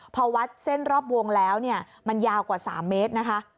พอวัดเส้นรอบวงแล้วเนี่ยมันยาวกว่า๓เมตรนะคะ